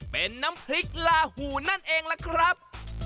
เป็นน้ำพริกลาหูนั่นเองล่ะครับ